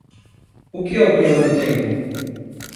O que é o clima do tempo?